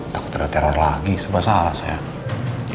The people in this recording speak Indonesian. takut ada teror lagi sebab salah sayang